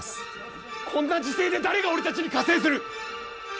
こんな時世で誰が俺たちに加勢する？